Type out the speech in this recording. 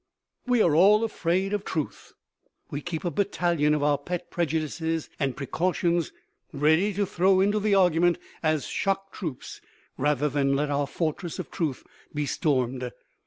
We are all afraid of truth: we keep a battalion of our pet prejudices and precautions ready to throw into the argument as shock troops, rather than let our fortress of Truth be stormed.